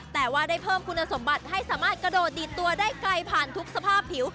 แต่ว่าได้เพิ่มคุณสมบัติให้สามารถกระโดดดีดตัวได้ไกลผ่านทุกสภาพผิว